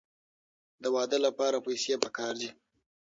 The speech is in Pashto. د واده لپاره پیسې پکار دي.